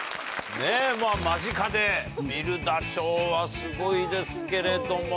間近で見るダチョウはすごいですけれども。